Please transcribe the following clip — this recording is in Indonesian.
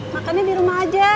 makannya di rumah aja